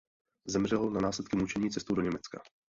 Zemřel na následky mučení cestou do Německa.